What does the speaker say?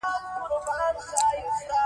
له پیدایښته نیولې تر اوسه له مور سره مینه لرم.